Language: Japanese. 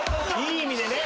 いい意味でね！